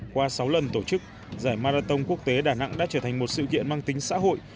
qua sáu lần tổ chức giải marathon quốc tế đà nẵng đã trở thành một sự kiện mang tính xã hội